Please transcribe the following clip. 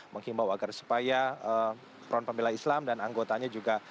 menghimbau agar supaya front pembela islam dan anggotanya juga